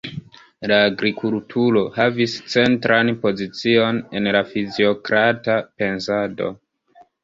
La agrikulturo havis centran pozicion en la fiziokrata pensado.